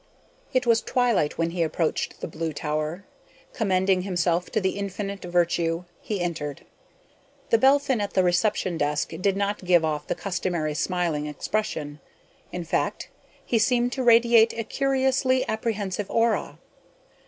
It was twilight when he approached the Blue Tower. Commending himself to the Infinite Virtue, he entered. The Belphin at the reception desk did not give off the customary smiling expression. In fact, he seemed to radiate a curiously apprehensive aura.